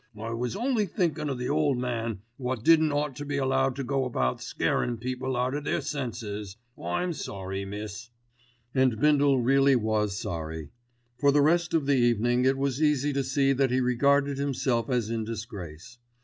"I was only thinkin' o' the old man wot didn't ought to be allowed to go about scarin' people out o' their senses. I'm sorry, miss," and Bindle really was sorry. For the rest of the evening it was easy to see that he regarded himself as in disgrace.